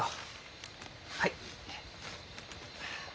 はい。